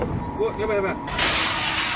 やばい、やばい。